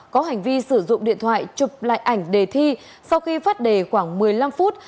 có hành vi sử dụng điện thoại chụp lại ảnh đề thi sau khi phát đề khoảng một mươi năm phút